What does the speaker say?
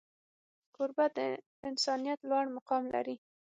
کوربه د انسانیت لوړ مقام لري.